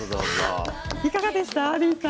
いかがでしたか。